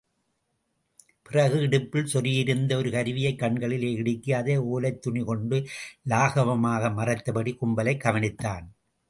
பிறகு, இடுப்பில் செருகியிருந்த ஒரு கருவியைக் கண்களிலே இடுக்கி, அதை ஒலைத்துணி கொண்டு லாகவமாக மறைத்தபடி கும்பலைக் கவனித்தான்.